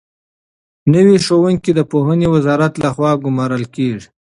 نوي ښوونکي د پوهنې وزارت لخوا ګومارل کېږي.